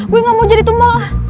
gue gak mau jadi tumel lah